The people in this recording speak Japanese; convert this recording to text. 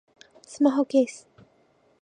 スマホケース